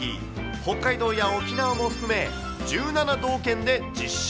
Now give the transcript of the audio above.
北海道や沖縄も含め、１７道県で実施。